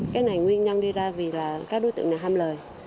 cái này nguyên nhân đi ra vì là các đối tượng này ham lời